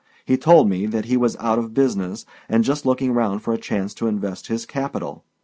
He told me that he was out of business, and just looking round for a chance to invest his capital.